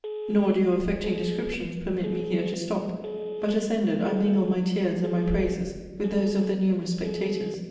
Nor do your affecting descriptions permit me here to stop; but, ascended, I mingle my tears and my praises with those of the numerous spectators.